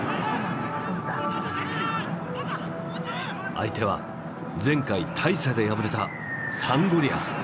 相手は前回大差で敗れたサンゴリアス。